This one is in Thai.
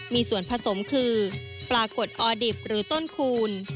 มีส่วนผสมคือปลากดออดิบหรือต้นคูณ